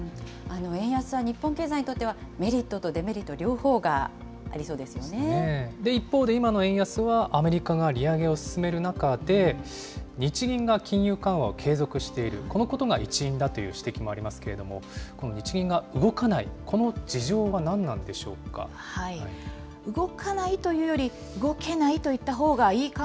円安は日本経済にとっては、メリットとデメリット、両方があ一方で今の円安は、アメリカが利上げを進める中で、日銀が金融緩和を継続している、このことが一因だという指摘もありますけれども、この日銀が動かないという、この事情は何なんでしょうか？